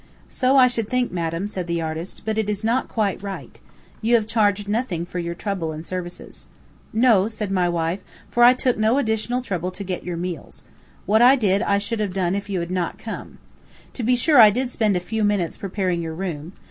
"So I should think, madam," said the artist, "but it is not quite right. You have charged nothing for your trouble and services." "No," said my wife, "for I took no additional trouble to get your meals. What I did, I should have done if you had not come. To be sure I did spend a few minutes preparing your room.